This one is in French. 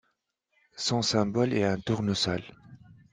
Son symbole est un tournesol.